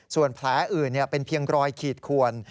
ส่วนแผลอื่นเป็นเพียงรอยขีดขวน